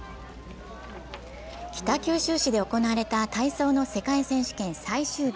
北九州市で行われた体操の世界選手権最終日。